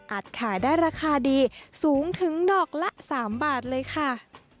ขายได้ราคาดีสูงถึงดอกละ๓บาทเลยค่ะ